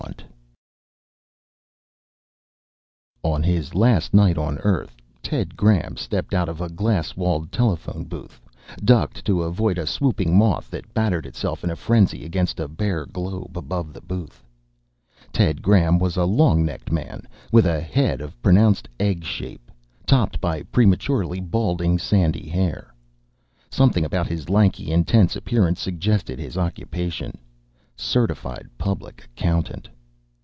_ Illustrated by JOHNSON On his last night on Earth, Ted Graham stepped out of a glass walled telephone booth, ducked to avoid a swooping moth that battered itself in a frenzy against a bare globe above the booth. Ted Graham was a long necked man with a head of pronounced egg shape topped by prematurely balding sandy hair. Something about his lanky, intense appearance suggested his occupation: certified public accountant.